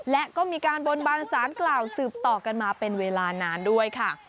และก็มีการบนบานสารกล่าวสืบต่อกันมาเป็นเวลานานด้วยค่ะ